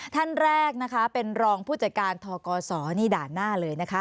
ท่านแรกนะคะเป็นรองผู้จัดการทกศนี่ด่านหน้าเลยนะคะ